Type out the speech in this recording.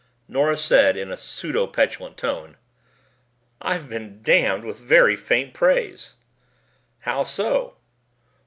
Nora said in pseudo petulant tone, "I've been damned with very faint praise." "How so?"